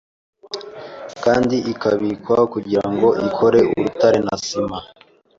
kandi ikabikwa kugirango ikore urutare na sima